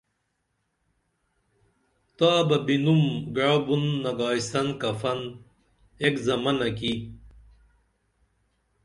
تا بہ بِنُم گعؤ بُن نگائی سن کفن ایک زمنہ کی